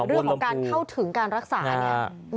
เรื่องของการเข้าถึงการรักษาเนี่ย